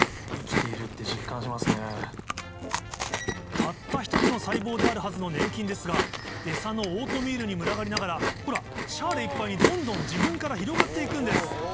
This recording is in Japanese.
たった１つの細胞であるはずの粘菌ですがエサのオートミールに群がりながらほらシャーレいっぱいにどんどん自分から広がって行くんです